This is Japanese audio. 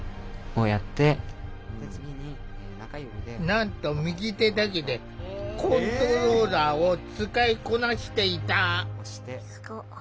なんと右手だけでコントローラーを使いこなしていた。